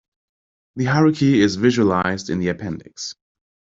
The hierarchy is visualized in the appendix.